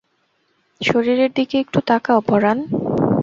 শরীরের দিকে একটু তাকাও পরান।